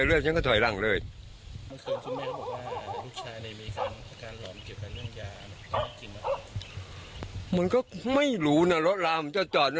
เลือดฉันก็ถอยร่างเลยมันก็ไม่รู้เนี่ยรถลาจอด